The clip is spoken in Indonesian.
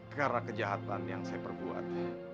karena kejahatan yang saya perbuat